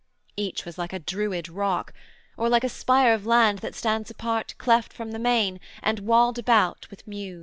Each was like a Druid rock; Or like a spire of land that stands apart Cleft from the main, and wailed about with mews.